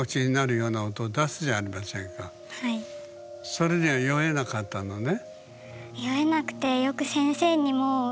それには酔えなかったのね？